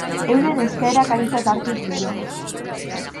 Euren eskaerak aintzat hartuz gero.